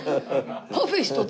パフェ１つ！